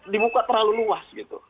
dibuka terlalu luas